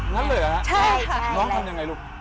นายมองทำยังไงลูก